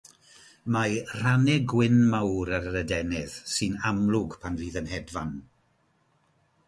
Mae rhannau gwyn mawr ar yr adenydd, sy'n amlwg pan fydd yn hedfan.